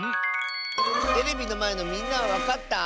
テレビのまえのみんなはわかった？